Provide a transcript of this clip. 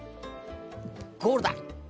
ゴールだ！